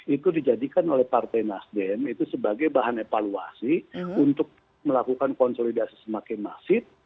itu dijadikan oleh partai nasdem itu sebagai bahan evaluasi untuk melakukan konsolidasi semakin masif